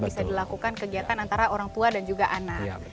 bisa dilakukan kegiatan antara orang tua dan juga anak